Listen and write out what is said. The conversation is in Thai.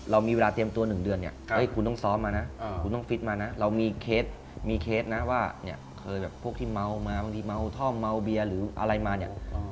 เรามีเวลาเตรียมตัวนึงเดือน